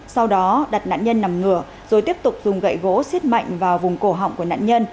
sau đó đặt nạn nhân nằm ngửa rồi tiếp tục dùng gậy gỗ xiết mạnh vào vùng cổ họng của nạn nhân